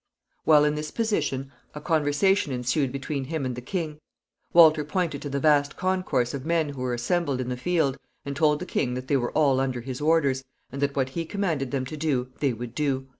While in this position, a conversation ensued between him and the king. Walter pointed to the vast concourse of men who were assembled in the field, and told the king that they were all under his orders, and that what he commanded them to do they would do.